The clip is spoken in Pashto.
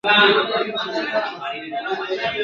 وګړي ډېر سول د نیکه دعا قبوله سوله ..